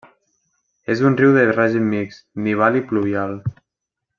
És un riu de règim mixt, nival i pluvial.